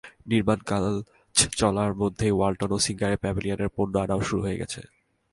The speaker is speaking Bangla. নির্মাণকাজ চলার মধ্যেই ওয়ালটন ও সিঙ্গারের প্যাভিলিয়নের পণ্য আনাও শুরু হয়ে গেছে।